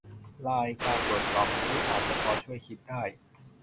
รายการตรวจสอบนี้อาจจะพอช่วยคิดได้